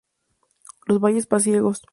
Los Valles Pasiegos.